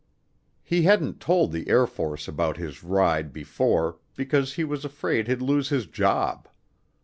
He hadn't told the Air Force about his ride before because he was afraid he'd lose his job.